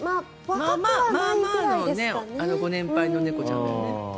まあまあご年配の猫ちゃんですね。